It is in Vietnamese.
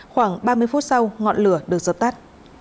khoảng ba mươi phút sau ngọn lửa được dập tắt